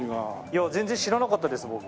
いや全然知らなかったです僕。